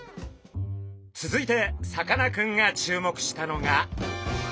続いてさかなクンが注目したのが。